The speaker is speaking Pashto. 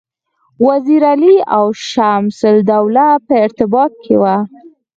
وزیر علي او شمس الدوله په ارتباط کې وه.